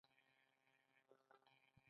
آیا د کاناډا ژمی په اقتصاد اغیز نلري؟